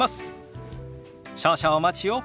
少々お待ちを。